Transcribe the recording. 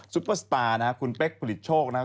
ปเปอร์สตาร์นะครับคุณเป๊กผลิตโชคนะครับ